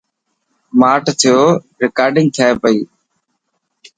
ماٺ ٿيو رڪارڊنگ ٿي پئي.